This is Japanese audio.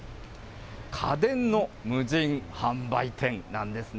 家電の無人販売店なんですね。